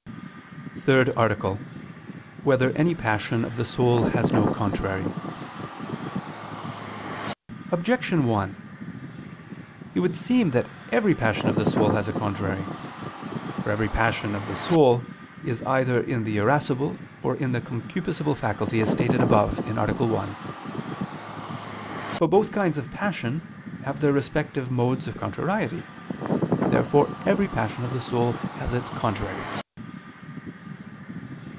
________________________ THIRD ARTICLE [I II, Q. 23, Art. 3] Whether Any Passion of the Soul Has No Contrary? Objection 1: It would seem that every passion of the soul has a contrary. For every passion of the soul is either in the irascible or in the concupiscible faculty, as stated above (A. 1). But both kinds of passion have their respective modes of contrariety. Therefore every passion of the soul has its contrary.